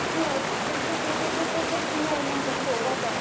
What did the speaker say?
どっちもすごいおばぁちゃん子。